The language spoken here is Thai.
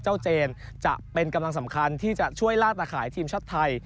เจนจะเป็นกำลังสำคัญที่จะช่วยลาดตะขายทีมชาติไทย